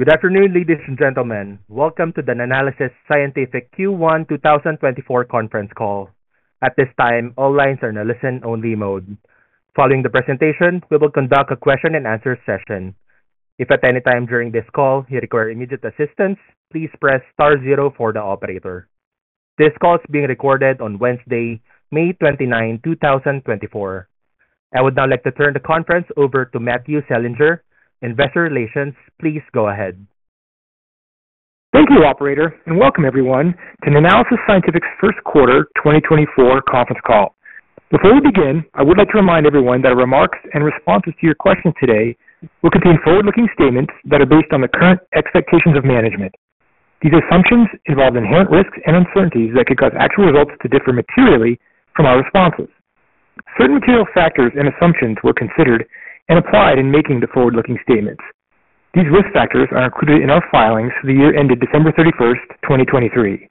Good afternoon, ladies and gentlemen. Welcome to the Nanalysis Scientific Q1 2024 conference call. At this time, all lines are in a listen-only mode. Following the presentation, we will conduct a question and answer session. If at any time during this call you require immediate assistance, please press star zero for the operator. This call is being recorded on Wednesday, May 29, 2024. I would now like to turn the conference over to Matthew Selinger, Investor Relations. Please go ahead. Thank you, operator, and welcome everyone to Nanalysis Scientific's first quarter 2024 conference call. Before we begin, I would like to remind everyone that our remarks and responses to your questions today will contain forward-looking statements that are based on the current expectations of management. These assumptions involve inherent risks and uncertainties that could cause actual results to differ materially from our responses. Certain material factors and assumptions were considered and applied in making the forward-looking statements. These risk factors are included in our filings for the year ended December 31, 2023.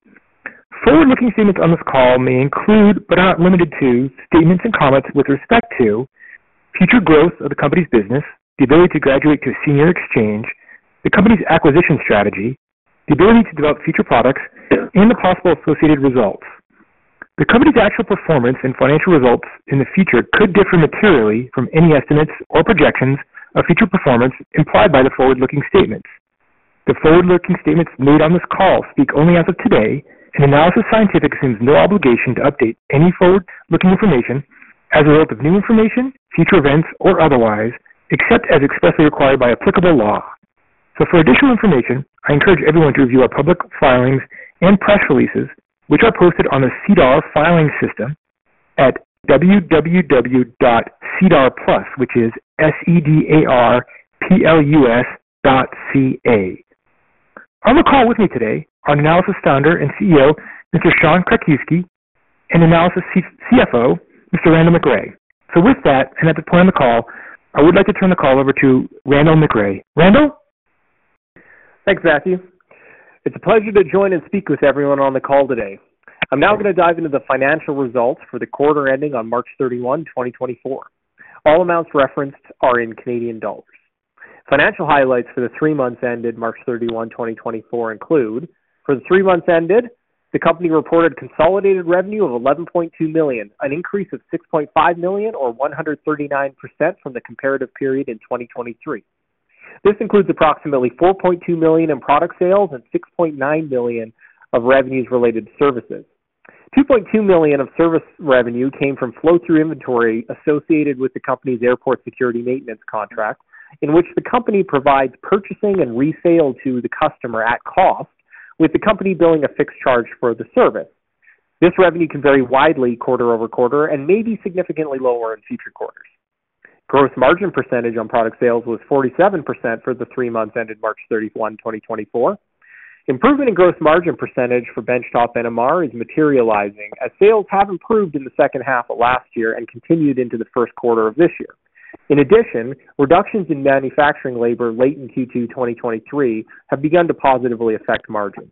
Forward-looking statements on this call may include, but are not limited to, statements and comments with respect to future growth of the company's business, the ability to graduate to a senior exchange, the company's acquisition strategy, the ability to develop future products, and the possible associated results. The company's actual performance and financial results in the future could differ materially from any estimates or projections of future performance implied by the forward-looking statements. The forward-looking statements made on this call speak only as of today, and Nanalysis Scientific assumes no obligation to update any forward-looking information as a result of new information, future events, or otherwise, except as expressly required by applicable law. So for additional information, I encourage everyone to review our public filings and press releases, which are posted on the SEDAR+ filing system at www.sedarplus.ca, which is S-E-D-A-R-P-L-U-S dot ca. On the call with me today are Nanalysis founder and CEO, Mr. Sean Krakiwsky, and Nanalysis CFO, Mr. Randall McRae. So with that, and at this point in the call, I would like to turn the call over to Randall McRae. Randall? Thanks, Matthew. It's a pleasure to join and speak with everyone on the call today. I'm now going to dive into the financial results for the quarter ending on March 31, 2024. All amounts referenced are in Canadian dollars. Financial highlights for the three months ended March 31, 2024 include: for the three months ended, the company reported consolidated revenue of 11.2 million, an increase of 6.5 million, or 139% from the comparative period in 2023. This includes approximately 4.2 million in product sales and 6.9 million of revenues related to services. 2.2 million of service revenue came from flow-through inventory associated with the company's airport security maintenance contract, in which the company provides purchasing and resale to the customer at cost, with the company billing a fixed charge for the service. This revenue can vary widely quarter over quarter and may be significantly lower in future quarters. Gross margin percentage on product sales was 47% for the three months ended March 31, 2024. Improvement in gross margin percentage for benchtop NMR is materializing as sales have improved in the second half of last year and continued into the first quarter of this year. In addition, reductions in manufacturing labor late in Q2 2023 have begun to positively affect margins.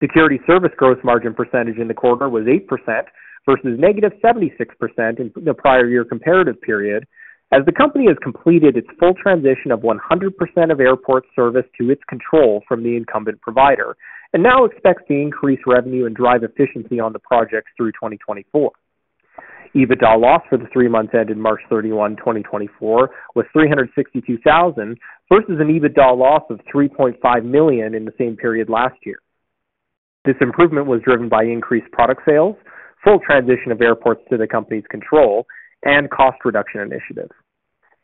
Security service gross margin percentage in the quarter was 8% versus -76% in the prior year comparative period, as the company has completed its full transition of 100% of airport service to its control from the incumbent provider, and now expects to increase revenue and drive efficiency on the projects through 2024. EBITDA loss for the three months ended March 31, 2024, was 362,000 versus an EBITDA loss of 3.5 million in the same period last year. This improvement was driven by increased product sales, full transition of airports to the company's control, and cost reduction initiatives.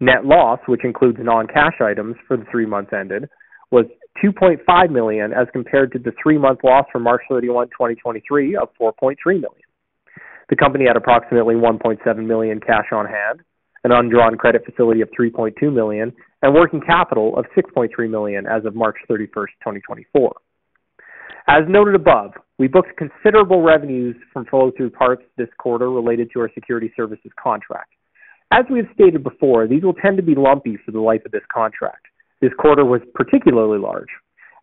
Net loss, which includes non-cash items for the three months ended, was 2.5 million, as compared to the three-month loss for March 31, 2023, of 4.3 million. The company had approximately 1.7 million cash on hand, an undrawn credit facility of 3.2 million, and working capital of 6.3 million as of March 31, 2024. As noted above, we booked considerable revenues from flow-through parts this quarter related to our security services contract. As we've stated before, these will tend to be lumpy for the life of this contract. This quarter was particularly large.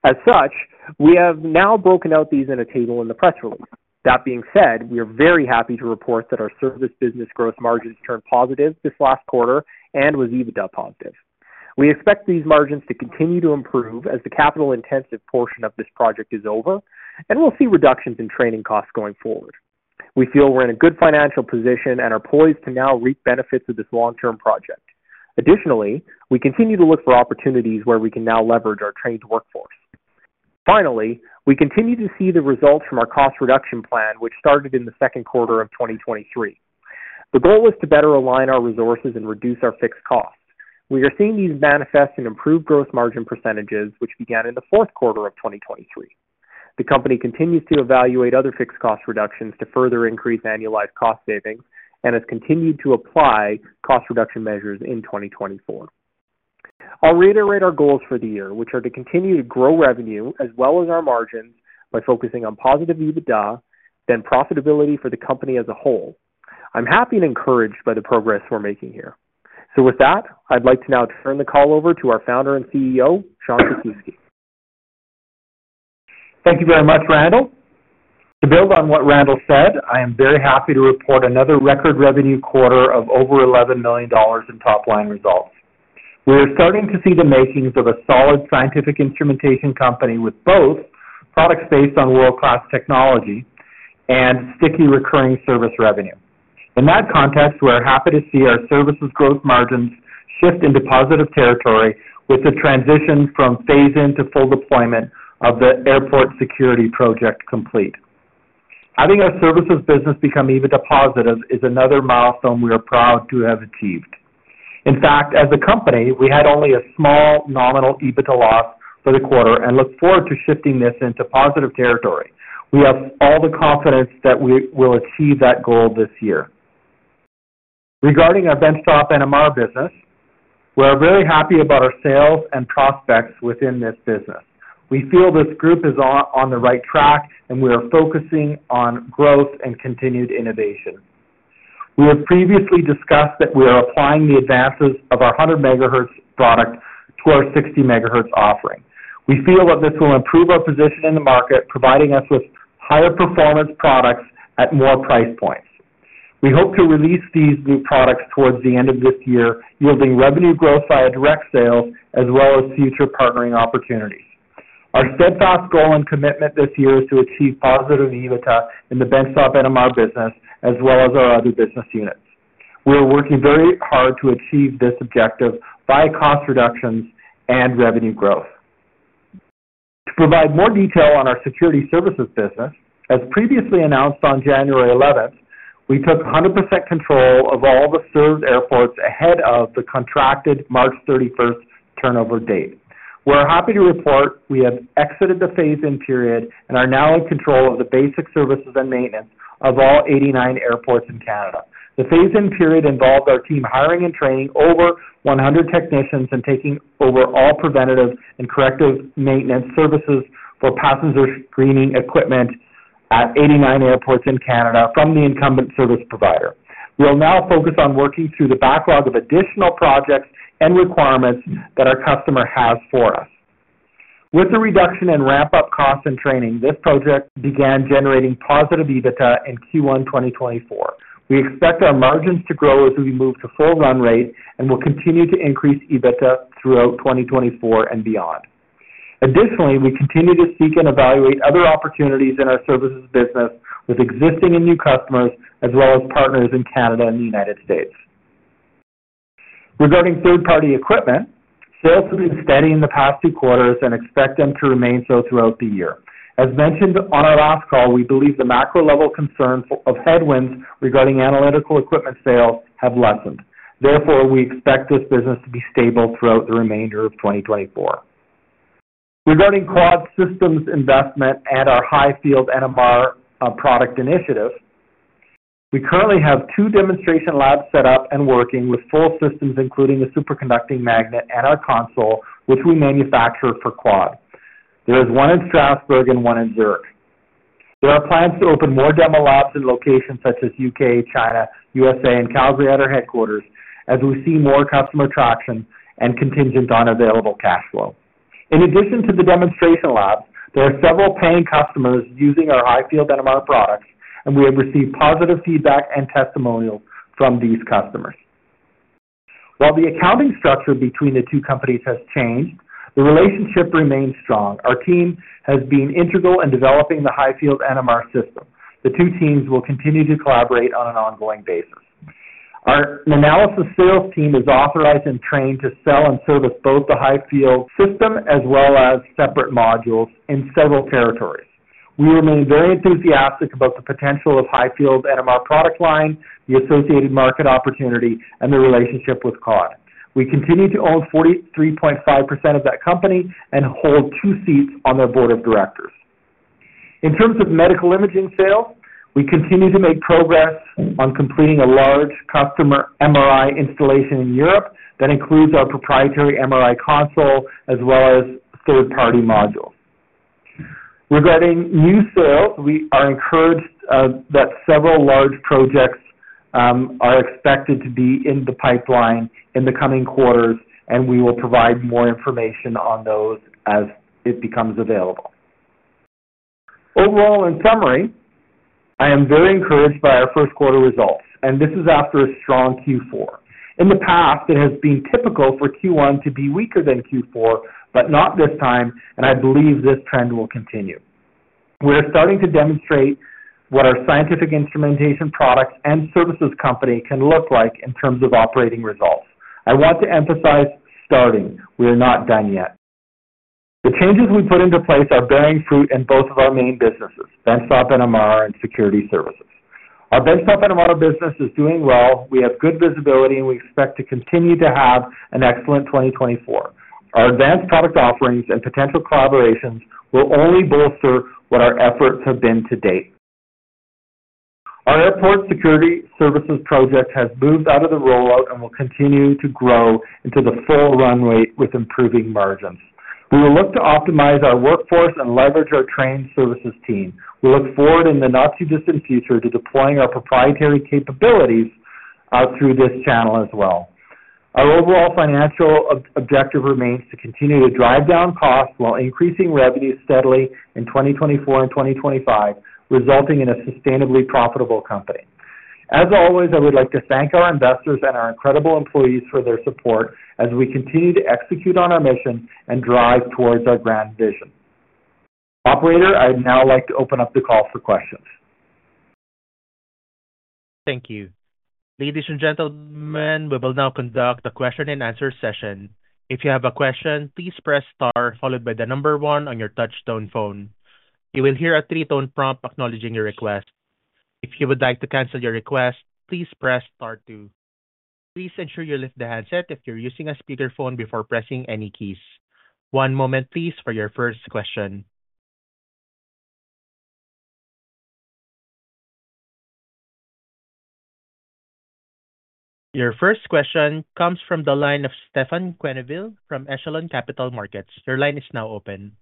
As such, we have now broken out these in a table in the press release. That being said, we are very happy to report that our service business gross margins turned positive this last quarter and was EBITDA positive. We expect these margins to continue to improve as the capital-intensive portion of this project is over, and we'll see reductions in training costs going forward. We feel we're in a good financial position and are poised to now reap benefits of this long-term project. Additionally, we continue to look for opportunities where we can now leverage our trained workforce. Finally, we continue to see the results from our cost reduction plan, which started in the second quarter of 2023. The goal was to better align our resources and reduce our fixed costs. We are seeing these manifest in improved gross margin percentages, which began in the fourth quarter of 2023. The company continues to evaluate other fixed cost reductions to further increase annualized cost savings and has continued to apply cost reduction measures in 2024. I'll reiterate our goals for the year, which are to continue to grow revenue as well as our margins by focusing on positive EBITDA and profitability for the company as a whole. I'm happy and encouraged by the progress we're making here. With that, I'd like to now turn the call over to our founder and CEO, Sean Krakiwsky.... Thank you very much, Randall. To build on what Randall said, I am very happy to report another record revenue quarter of over 11 million dollars in top-line results. We are starting to see the makings of a solid scientific instrumentation company with both products based on world-class technology and sticky recurring service revenue. In that context, we are happy to see our services gross margins shift into positive territory with the transition from phase-in to full deployment of the airport security project complete. Having our services business become EBITDA positive is another milestone we are proud to have achieved. In fact, as a company, we had only a small nominal EBITDA loss for the quarter and look forward to shifting this into positive territory. We have all the confidence that we will achieve that goal this year. Regarding our benchtop NMR business, we are very happy about our sales and prospects within this business. We feel this group is on the right track, and we are focusing on growth and continued innovation. We have previously discussed that we are applying the advances of our 100 MHz product to our 60 MHz offering. We feel that this will improve our position in the market, providing us with higher performance products at more price points. We hope to release these new products towards the end of this year, yielding revenue growth via direct sales as well as future partnering opportunities. Our steadfast goal and commitment this year is to achieve positive EBITDA in the benchtop NMR business, as well as our other business units. We are working very hard to achieve this objective by cost reductions and revenue growth. To provide more detail on our security services business, as previously announced on January 11, we took 100% control of all the served airports ahead of the contracted March 31 turnover date. We're happy to report we have exited the phase-in period and are now in control of the basic services and maintenance of all 89 airports in Canada. The phase-in period involved our team hiring and training over 100 technicians and taking over all preventative and corrective maintenance services for passenger screening equipment at 89 airports in Canada from the incumbent service provider. We'll now focus on working through the backlog of additional projects and requirements that our customer has for us. With the reduction in ramp-up costs and training, this project began generating positive EBITDA in Q1 2024. We expect our margins to grow as we move to full run rate, and we'll continue to increase EBITDA throughout 2024 and beyond. Additionally, we continue to seek and evaluate other opportunities in our services business with existing and new customers, as well as partners in Canada and the United States. Regarding third-party equipment, sales have been steady in the past two quarters and expect them to remain so throughout the year. As mentioned on our last call, we believe the macro level concerns of headwinds regarding analytical equipment sales have lessened. Therefore, we expect this business to be stable throughout the remainder of 2024. Regarding Quad Systems' investment and our high-field NMR product initiative, we currently have two demonstration labs set up and working with full systems, including a superconducting magnet and our console, which we manufacture for Quad. There is one in Strasbourg and one in Zurich. There are plans to open more demo labs in locations such as UK, China, USA, and Calgary at our headquarters, as we see more customer traction and contingent on available cash flow. In addition to the demonstration labs, there are several paying customers using our high-field NMR products, and we have received positive feedback and testimonials from these customers. While the accounting structure between the two companies has changed, the relationship remains strong. Our team has been integral in developing the high-field NMR system. The two teams will continue to collaborate on an ongoing basis. Our Nanalysis sales team is authorized and trained to sell and service both the high-field system as well as separate modules in several territories. We remain very enthusiastic about the potential of high-field NMR product line, the associated market opportunity, and the relationship with Quad. We continue to own 43.5% of that company and hold two seats on their board of directors. In terms of medical imaging sales, we continue to make progress on completing a large customer MRI installation in Europe that includes our proprietary MRI console as well as third-party modules. Regarding new sales, we are encouraged that several large projects are expected to be in the pipeline in the coming quarters, and we will provide more information on those as it becomes available. Overall, in summary, I am very encouraged by our first quarter results, and this is after a strong Q4. In the past, it has been typical for Q1 to be weaker than Q4, but not this time, and I believe this trend will continue. We are starting to demonstrate what our scientific instrumentation products and services company can look like in terms of operating results. I want to emphasize, starting, we are not done yet. The changes we put into place are bearing fruit in both of our main businesses, benchtop NMR and security services. Our benchtop NMR business is doing well. We have good visibility, and we expect to continue to have an excellent 2024. Our advanced product offerings and potential collaborations will only bolster what our efforts have been to date. Our airport security services project has moved out of the rollout and will continue to grow into the full run rate with improving margins. We will look to optimize our workforce and leverage our trained services team. We look forward, in the not-too-distant future, to deploying our proprietary capabilities through this channel as well. ...Our overall financial objective remains to continue to drive down costs while increasing revenue steadily in 2024 and 2025, resulting in a sustainably profitable company. As always, I would like to thank our investors and our incredible employees for their support as we continue to execute on our mission and drive towards our grand vision. Operator, I'd now like to open up the call for questions. Thank you. Ladies and gentlemen, we will now conduct a question and answer session. If you have a question, please press star followed by the number one on your touchtone phone. You will hear a three-tone prompt acknowledging your request. If you would like to cancel your request, please press star two. Please ensure you lift the handset if you're using a speakerphone before pressing any keys. One moment please, for your first question. Your first question comes from the line of Stefan Quenneville from Echelon Capital Markets. Your line is now open.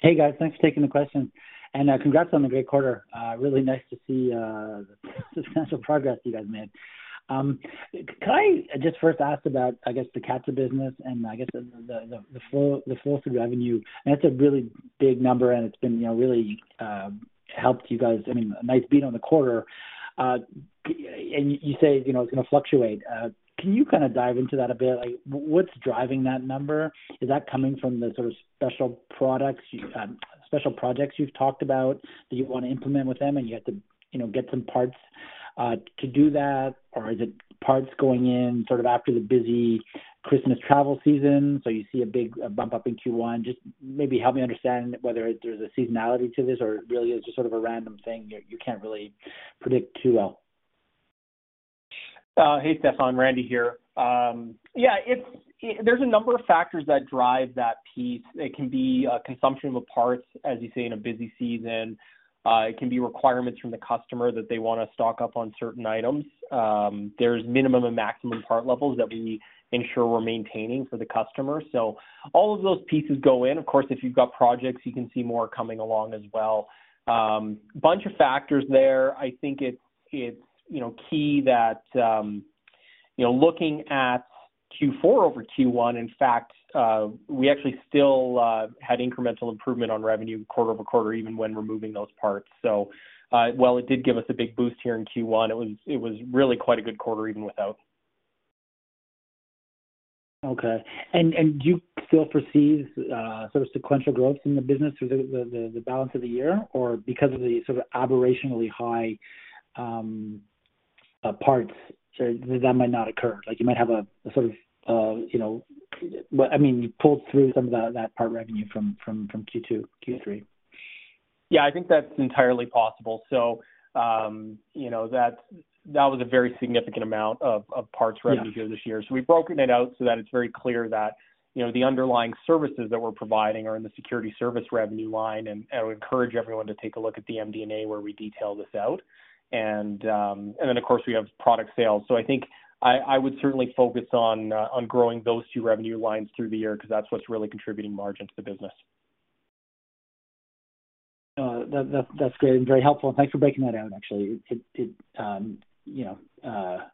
Hey, guys. Thanks for taking the question, and congrats on the great quarter. Really nice to see the substantial progress you guys made. Can I just first ask about, I guess, the CATSA business and I guess the full revenue? That's a really big number, and it's been, you know, really helped you guys, I mean, a nice beat on the quarter. And you say, you know, it's gonna fluctuate. Can you kind of dive into that a bit? Like, what's driving that number? Is that coming from the sort of special products you special projects you've talked about, that you want to implement with them, and you have to, you know, get some parts to do that? Or is it parts going in sort of after the busy Christmas travel season, so you see a big bump up in Q1? Just maybe help me understand whether there's a seasonality to this or really it's just sort of a random thing you, you can't really predict too well. Hey, Stefan. Randy here. Yeah, there's a number of factors that drive that piece. It can be consumption of parts, as you say, in a busy season. It can be requirements from the customer that they want to stock up on certain items. There's minimum and maximum part levels that we ensure we're maintaining for the customer. So all of those pieces go in. Of course, if you've got projects, you can see more coming along as well. Bunch of factors there. I think it's, you know, key that, you know, looking at Q4 over Q1, in fact, we actually still had incremental improvement on revenue quarter-over-quarter, even when removing those parts. So, while it did give us a big boost here in Q1, it was really quite a good quarter even without. Okay. And do you still foresee sort of sequential growth in the business through the balance of the year? Or because of the sort of aberrationally high parts, so that might not occur. Like you might have a sort of you know... Well, I mean, you pulled through some of that part revenue from Q2, Q3. Yeah, I think that's entirely possible. So, you know, that was a very significant amount of parts revenue- Yeah this year. So we've broken it out so that it's very clear that, you know, the underlying services that we're providing are in the security service revenue line. And, I would encourage everyone to take a look at the MD&A, where we detail this out. And, and then, of course, we have product sales. So I think I, I would certainly focus on, on growing those two revenue lines through the year, because that's what's really contributing margin to the business. That's great and very helpful. Thanks for breaking that down actually. You know,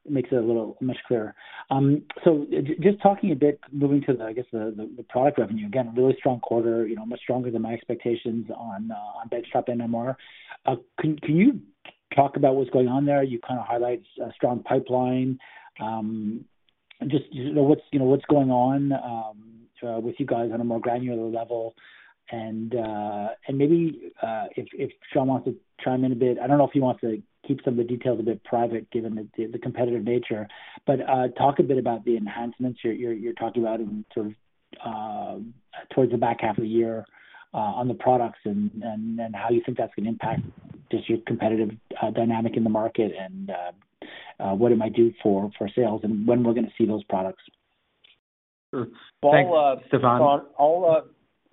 makes it a little much clearer. So just talking a bit, moving to the, I guess, the product revenue. Again, a really strong quarter, you know, much stronger than my expectations on benchtop NMR. Can you talk about what's going on there? You kind of highlight a strong pipeline. Just, you know, what's going on with you guys on a more granular level? And maybe if Sean wants to chime in a bit, I don't know if he wants to keep some of the details a bit private, given the competitive nature, but talk a bit about the enhancements you're talking about in sort of towards the back half of the year on the products and how you think that's going to impact just your competitive dynamic in the market. And what it might do for sales and when we're gonna see those products? Sure. Thanks, Stefan.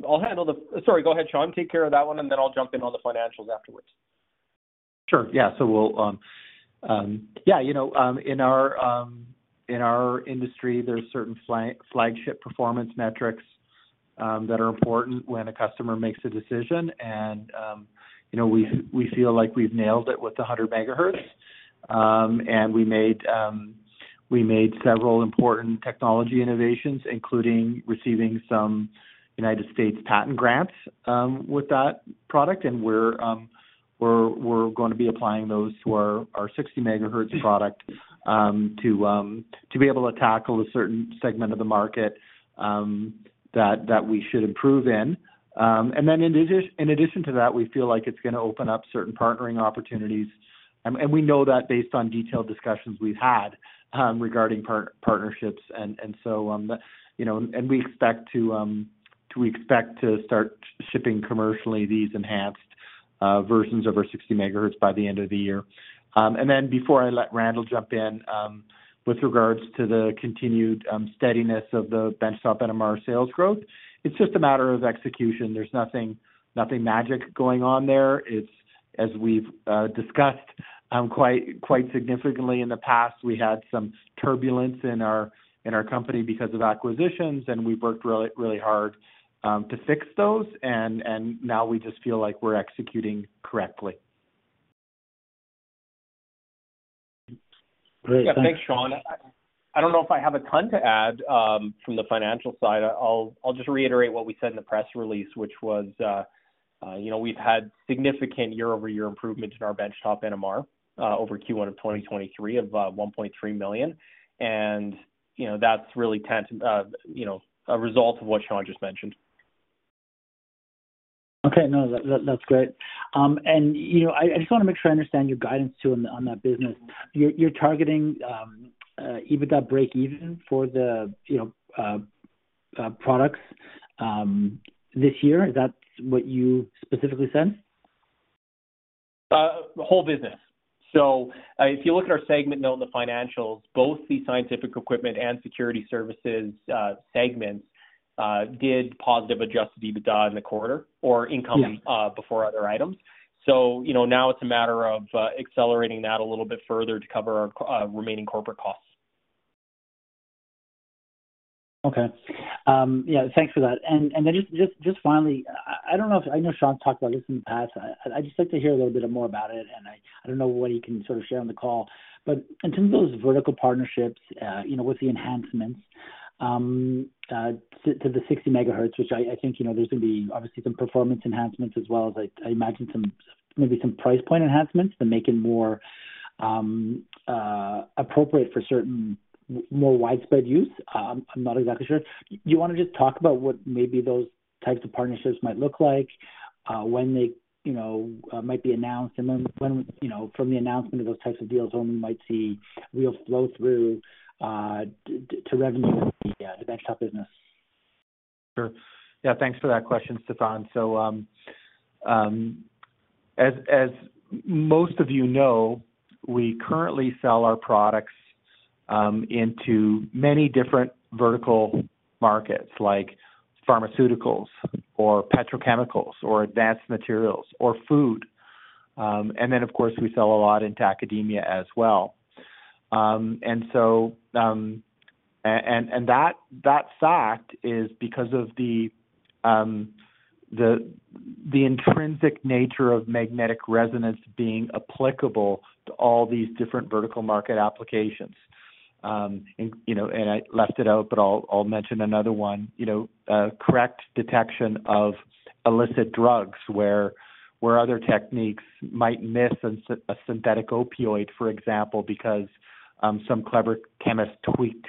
I'll handle the... Sorry, go ahead, Sean. Take care of that one, and then I'll jump in on the financials afterwards. Sure. Yeah. So we'll, yeah, you know, in our industry, there's certain flagship performance metrics that are important when a customer makes a decision. And, you know, we feel like we've nailed it with the 100 MHz. And we made several important technology innovations, including receiving some United States patent grants with that product. And we're gonna be applying those to our 60 MHz product, to be able to tackle a certain segment of the market that we should improve in. And then in addition to that, we feel like it's gonna open up certain partnering opportunities. And we know that based on detailed discussions we've had, regarding partnerships. And so, you know, we expect to to expect to start shipping commercially these enhanced versions of our 60 MHz by the end of the year. And then before I let Randall jump in, with regards to the continued steadiness of the benchtop NMR sales growth, it's just a matter of execution. There's nothing, nothing magic going on there. It's... As we've discussed, quite, quite significantly in the past, we had some turbulence in our, in our company because of acquisitions, and we've worked really, really hard to fix those. And now we just feel like we're executing correctly. Great. Thanks, Sean. I, I don't know if I have a ton to add from the financial side. I'll just reiterate what we said in the press release, which was, you know, we've had significant year-over-year improvements in our benchtop NMR over Q1 of 2023 of 1.3 million. And, you know, that's really ten, you know, a result of what Sean just mentioned. Okay. No, that's great. And, you know, I just wanna make sure I understand your guidance too, on that business. You're targeting EBITDA breakeven for the, you know, products this year. Is that what you specifically said? The whole business. So, if you look at our segment note in the financials, both the scientific equipment and security services segments did positive adjusted EBITDA in the quarter or income- Yes. Before other items. So, you know, now it's a matter of accelerating that a little bit further to cover our remaining corporate costs. Okay. Yeah, thanks for that. And then just finally, I don't know if... I know Sean's talked about this in the past. I'd just like to hear a little bit more about it, and I don't know what he can sort of share on the call. But in terms of those vertical partnerships, you know, with the enhancements to the 60 megahertz, which I think, you know, there's gonna be obviously some performance enhancements as well as I imagine some, maybe some price point enhancements to make it more appropriate for certain more widespread use. I'm not exactly sure. Do you wanna just talk about what maybe those types of partnerships might look like, when they, you know, might be announced, and then when, you know, from the announcement of those types of deals, when we might see real flow-through to revenue in the benchtop business? Sure. Yeah, thanks for that question, Stefan. So, as most of you know, we currently sell our products into many different vertical markets, like pharmaceuticals or petrochemicals or advanced materials or food. And then, of course, we sell a lot into academia as well. And so, that fact is because of the intrinsic nature of magnetic resonance being applicable to all these different vertical market applications. And, you know, and I left it out, but I'll mention another one. You know, correct detection of illicit drugs, where other techniques might miss a synthetic opioid, for example, because some clever chemist tweaked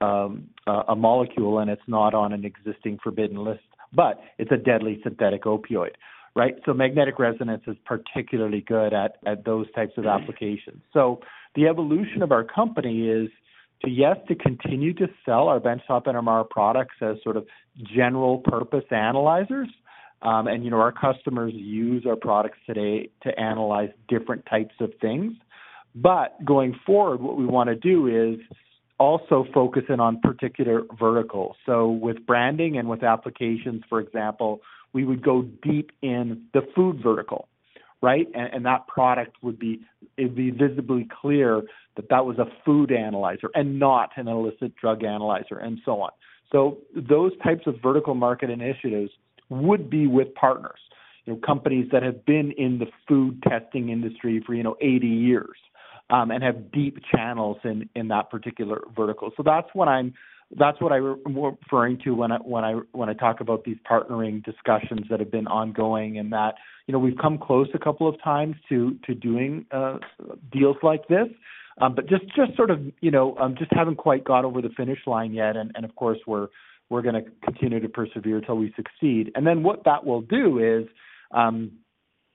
a molecule, and it's not on an existing forbidden list, but it's a deadly synthetic opioid, right? So magnetic resonance is particularly good at those types of applications. So the evolution of our company is to, yes, to continue to sell our benchtop NMR products as sort of general-purpose analyzers. And, you know, our customers use our products today to analyze different types of things. But going forward, what we wanna do is also focus in on particular verticals. So with branding and with applications, for example, we would go deep in the food vertical, right? And that product would be, it'd be visibly clear that that was a food analyzer and not an illicit drug analyzer, and so on. So those types of vertical market initiatives would be with partners, you know, companies that have been in the food testing industry for, you know, 80 years, and have deep channels in that particular vertical. So that's what I'm referring to when I talk about these partnering discussions that have been ongoing and that, you know, we've come close a couple of times to doing deals like this. But just sort of, you know, just haven't quite got over the finish line yet, and of course, we're gonna continue to persevere till we succeed. And then what that will do is,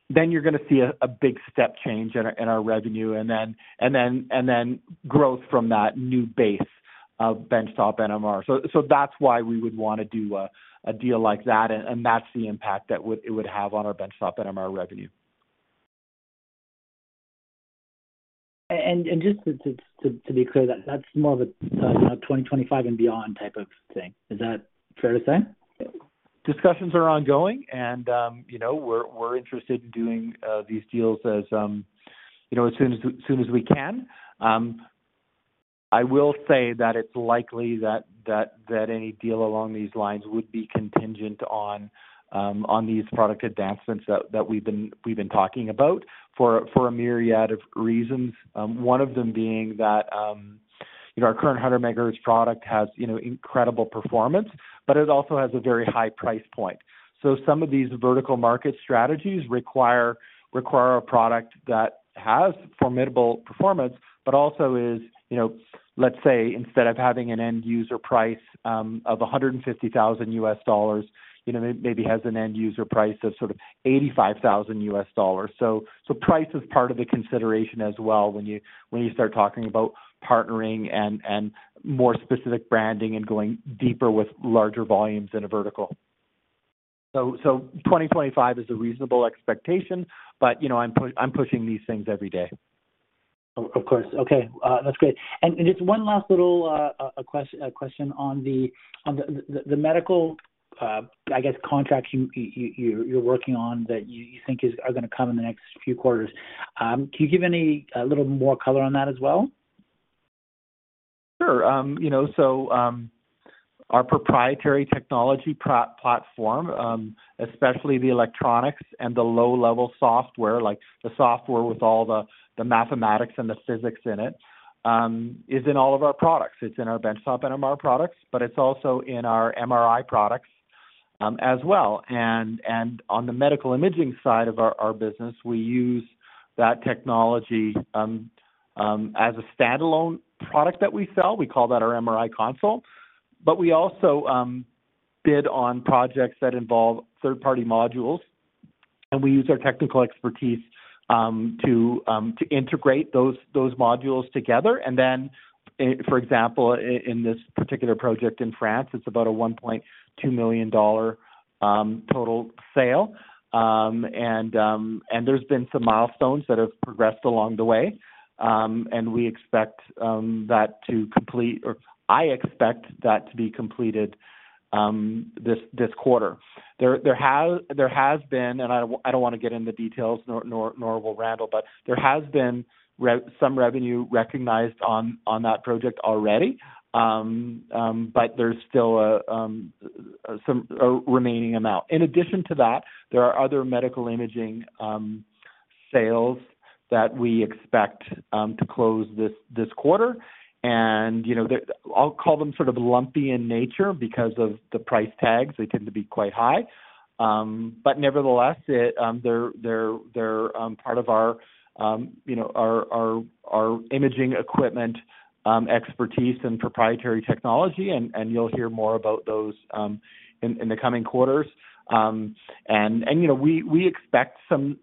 then you're gonna see a big step change in our revenue, and then growth from that new base of benchtop NMR. So that's why we would wanna do a deal like that, and that's the impact that it would have on our benchtop NMR revenue. Just to be clear, that's more of a 2025 and beyond type of thing. Is that fair to say? Discussions are ongoing, and, you know, we're interested in doing these deals as, you know, as soon as we can. I will say that it's likely that any deal along these lines would be contingent on these product advancements that we've been talking about, for a myriad of reasons. One of them being that, you know, our current 100 megahertz product has, you know, incredible performance, but it also has a very high price point. So some of these vertical market strategies require a product that has formidable performance, but also is, you know, let's say, instead of having an end user price of $150,000, you know, maybe has an end user price of sort of $85,000. So, price is part of the consideration as well, when you start talking about partnering and more specific branding and going deeper with larger volumes in a vertical. So, 2025 is a reasonable expectation, but, you know, I'm pushing these things every day. Of course. Okay, that's great. And just one last little question on the medical, I guess, contracts you're working on that you think are gonna come in the next few quarters. Can you give a little more color on that as well?... Sure. You know, so, our proprietary technology platform, especially the electronics and the low-level software, like the software with all the, the mathematics and the physics in it, is in all of our products. It's in our benchtop NMR products, but it's also in our MRI products, as well. And, and on the medical imaging side of our, our business, we use that technology, as a standalone product that we sell. We call that our MRI console. But we also, bid on projects that involve third-party modules, and we use our technical expertise, to, to integrate those, those modules together. And then, for example, in, in this particular project in France, it's about a 1.2 million dollar total sale. And, and there's been some milestones that have progressed along the way. We expect that to complete, or I expect that to be completed this quarter. There has been, and I don't want to get into details, nor will Randall, but there has been some revenue recognized on that project already. But there's still some remaining amount. In addition to that, there are other medical imaging sales that we expect to close this quarter, and, you know, they're... I'll call them sort of lumpy in nature because of the price tags. They tend to be quite high. But nevertheless, they're part of our, you know, our imaging equipment expertise and proprietary technology, and you'll hear more about those in the coming quarters. And, you know, we expect some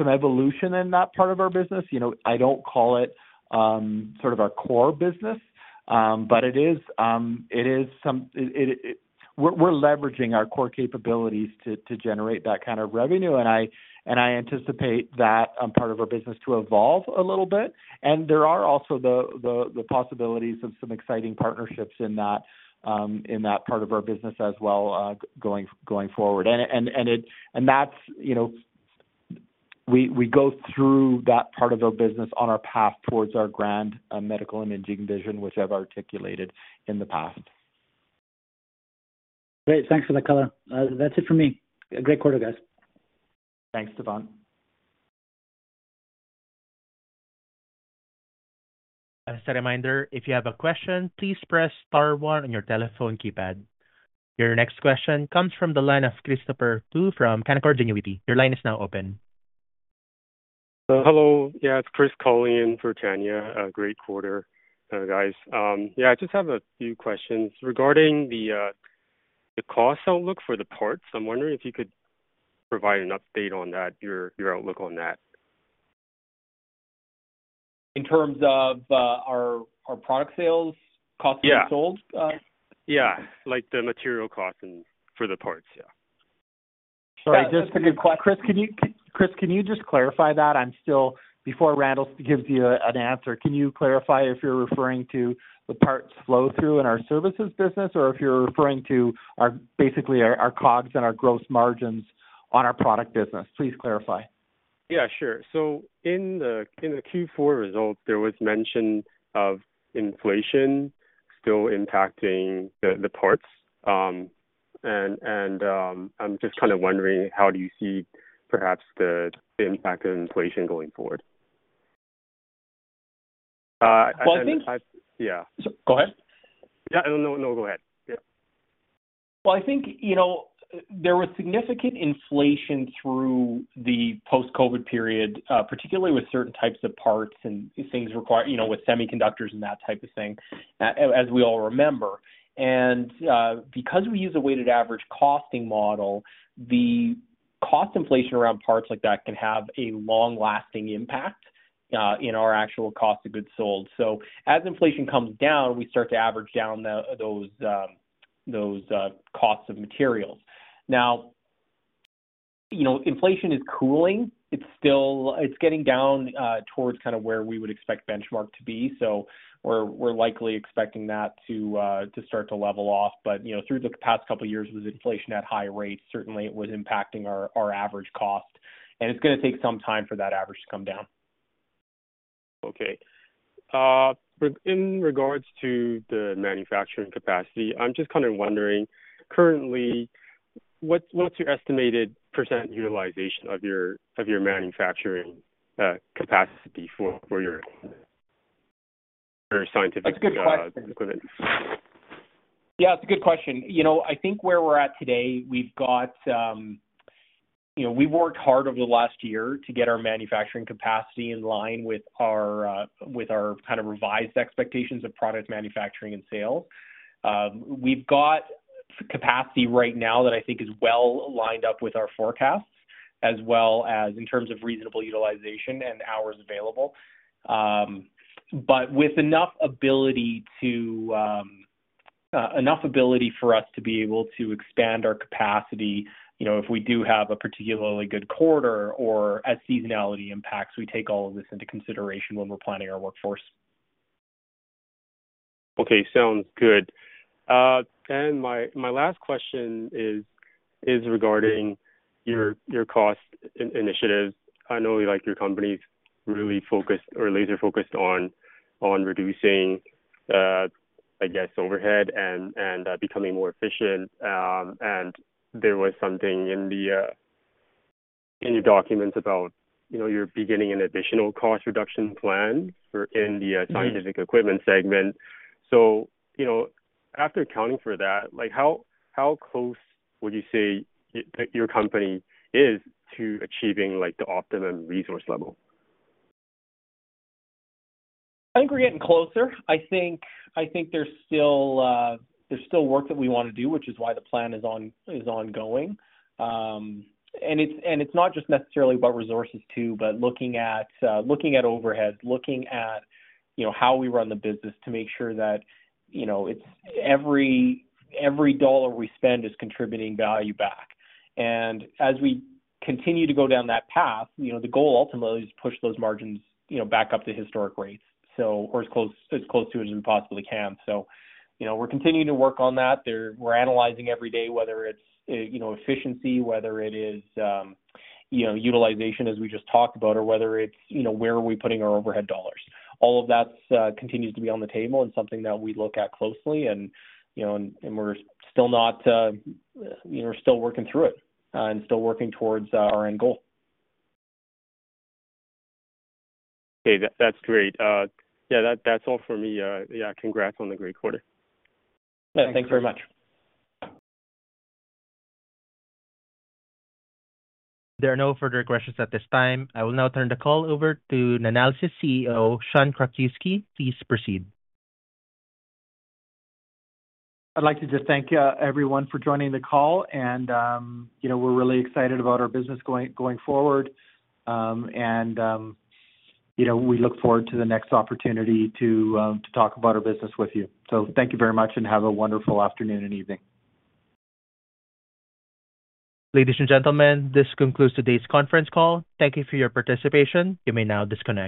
evolution in that part of our business. You know, I don't call it sort of our core business, but it is some, we're leveraging our core capabilities to generate that kind of revenue, and I anticipate that part of our business to evolve a little bit. And there are also the possibilities of some exciting partnerships in that part of our business as well, going forward. And that's, you know, we go through that part of our business on our path towards our grand medical imaging vision, which I've articulated in the past. Great. Thanks for that color. That's it for me. A great quarter, guys. Thanks, Stefan. As a reminder, if you have a question, please press star one on your telephone keypad. Your next question comes from the line of Christopher Pu from Canaccord Genuity. Your line is now open. Hello. Yeah, it's Chris calling in for Tania. A great quarter, guys. Yeah, I just have a few questions regarding the cost outlook for the parts. I'm wondering if you could provide an update on that, your outlook on that. In terms of our product sales? Yeah. Cost of goods sold, Yeah, like the material costs and for the parts, yeah. Sorry, just a quick... Chris, can you, Chris, can you just clarify that? I'm still, before Randall gives you an answer, can you clarify if you're referring to the parts flow-through in our services business, or if you're referring to our, basically our, our COGS and our gross margins on our product business? Please clarify. Yeah, sure. So in the Q4 results, there was mention of inflation still impacting the parts. I'm just kind of wondering, how do you see perhaps the impact of inflation going forward? And I- Well, I think- Yeah. Go ahead. Yeah. No, no, go ahead. Yeah. Well, I think, you know, there was significant inflation through the post-COVID period, particularly with certain types of parts and things required, you know, with semiconductors and that type of thing, as we all remember. And, because we use a weighted average costing model, the cost inflation around parts like that can have a long-lasting impact, in our actual cost of goods sold. So as inflation comes down, we start to average down those costs of materials. Now, you know, inflation is cooling. It's still getting down, towards kind of where we would expect benchmark to be. So we're likely expecting that to start to level off. You know, through the past couple of years with inflation at high rates, certainly it was impacting our average cost, and it's gonna take some time for that average to come down. Okay. In regards to the manufacturing capacity, I'm just kind of wondering, currently, what's your estimated % utilization of your manufacturing capacity for your scientific- That's a good question.... equipment? Yeah, it's a good question. You know, I think where we're at today, we've got, you know, we've worked hard over the last year to get our manufacturing capacity in line with our, with our kind of revised expectations of product manufacturing and sales. We've got capacity right now that I think is well lined up with our forecasts, as well as in terms of reasonable utilization and hours available. But with enough ability for us to be able to expand our capacity, you know, if we do have a particularly good quarter or as seasonality impacts, we take all of this into consideration when we're planning our workforce. Okay. Sounds good. And my last question is regarding your cost initiative. I know, like, your company's really focused or laser focused on reducing, I guess, overhead and becoming more efficient. And there was something in your documents about, you know, you're beginning an additional cost reduction plan for the scientific equipment segment. So, you know, after accounting for that, like, how close would you say that your company is to achieving, like, the optimum resource level? I think we're getting closer. I think there's still work that we wanna do, which is why the plan is ongoing. And it's not just necessarily about resources too, but looking at overhead, looking at, you know, how we run the business to make sure that, you know, it's every dollar we spend is contributing value back. And as we continue to go down that path, you know, the goal ultimately is to push those margins, you know, back up to historic rates, or as close to as we possibly can. So, you know, we're continuing to work on that. We're analyzing every day, whether it's, you know, efficiency, whether it is, you know, utilization as we just talked about, or whether it's, you know, where are we putting our overhead dollars. All of that continues to be on the table and something that we look at closely and, you know, and, and we're still not... We're still working through it, and still working towards, our end goal. Okay. That's great. Yeah, that's all for me. Yeah, congrats on the great quarter. Yeah, thanks very much. There are no further questions at this time. I will now turn the call over to Nanalysis CEO, Sean Krakiwsky. Please proceed. I'd like to just thank everyone for joining the call, and, you know, we're really excited about our business going forward. You know, we look forward to the next opportunity to talk about our business with you. So thank you very much and have a wonderful afternoon and evening. Ladies and gentlemen, this concludes today's conference call. Thank you for your participation. You may now disconnect.